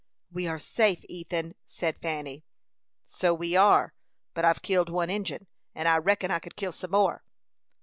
"We are safe, Ethan," said Fanny. "So we are; but I've killed one Injin, and I reckon I could kill some more."